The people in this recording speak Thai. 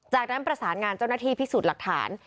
จากนั้นประสานงานเจ้าหน้าที่พิสูจน์หลักฐาน